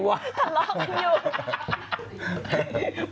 ทะเลาะกันอยู่